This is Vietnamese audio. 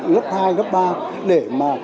gấp hai gấp ba để mà